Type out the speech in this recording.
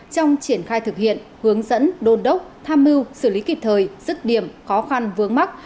trong triển khai thực hiện hướng dẫn đôn đốc tham mưu xử lý kịp thời rứt điểm khó khăn vướng mắt